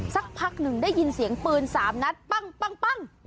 สักพักนึงได้ยินเสียงปืนสามนัดปังปังปัง